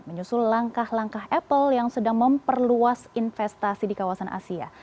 menyusul langkah langkah apple yang sedang memperluas investasi di kawasan asia